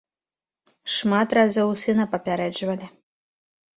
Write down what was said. Шмат разоў сына папярэджвалі.